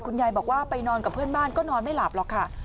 ยายบอกว่าไปนอนกับเพื่อนบ้านก็นอนไม่หลับหรอกค่ะ